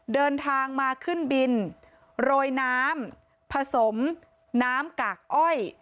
เดินทางมาขึ้นบินโรยน้ำผสมน้ำกากอ้อย